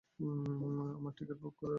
আমার ticket book করো।